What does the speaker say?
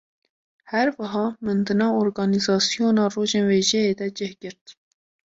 Her wiha, min di nav organîzasyona Rojên Wêjeyê de cih girt